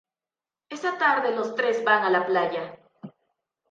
Esa tarde los tres van a la playa.